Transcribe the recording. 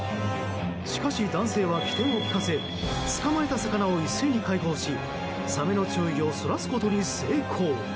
しかし、男性は機転を利かせ捕まえた魚を一斉に解放しサメの注意をそらすことに成功。